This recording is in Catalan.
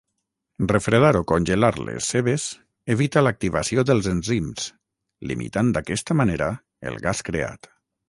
Refredar o congelar les cebes evita l'activació dels enzims limitant d'aquesta manera el gas creat.